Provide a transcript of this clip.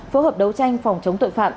phối hợp đấu tranh phòng chống tội phạm